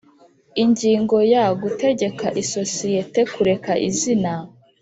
Ingingo ya gutegeka isosiyete kureka izina